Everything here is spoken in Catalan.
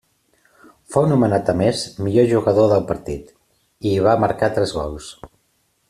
Fou nomenat a més millor jugador del partit, i hi va marcar tres gols.